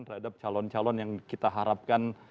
terhadap calon calon yang kita harapkan